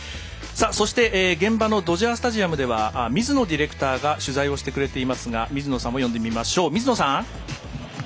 そして、現場のドジャースタジアムでは水野ディレクターが取材してくれていますが水野さん！